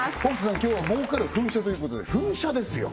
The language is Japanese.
今日は儲かる噴射ということで噴射ですよ